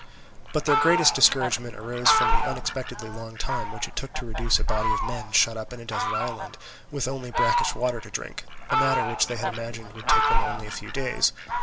But their greatest discouragement arose from the unexpectedly long time which it took to reduce a body of men shut up in a desert island, with only brackish water to drink, a matter which they had imagined would take them only a few days.